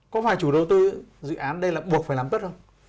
có phải chủ đầu tư dự án đây là buộc phải làm tất không